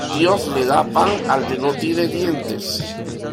Dios le da pan, al que no tiene dientes.